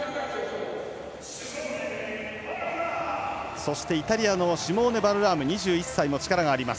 そしてイタリアのシモーネ・バルラーム力があります。